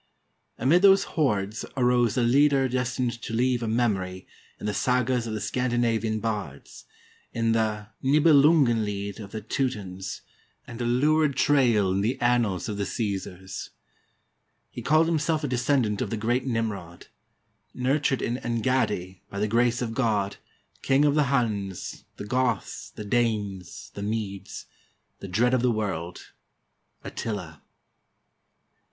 "Amid those hordes arose a leader destined to leave a memory in the sagas of the Scandinavian bards, in the Nibelungenlied of the Teutons, and a lurid trail in the an nals of the Caesars. He called himself a descendant of the great Nimrod, 'nurtured in Engaddi, by the grace of God, King of the Huns, the Goths, the Danes, the Medes; the Dread of the World,' — Attila.